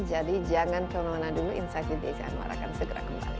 jadi jangan kemana mana dulu insight bdc anwar akan segera kembali